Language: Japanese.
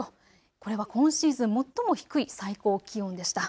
これは今シーズン最も低い最高気温でした。